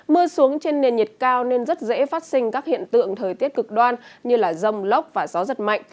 mưa xuống trên nền nhiệt cao nên rất dễ phát sinh các hiện tượng thời tiết cực đoan như rông lốc và gió giật mạnh